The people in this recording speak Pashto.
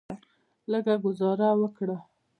لږه ګوزاره وکه.